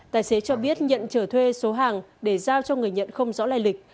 tài xế cho biết nhận trở thuê số hàng để giao cho người nhận không rõ lai lịch